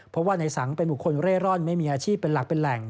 เพราะว่าในสังเป็นบุคคลเร่ร่อนไม่มีอาชีพเป็นหลักเป็นแหล่ง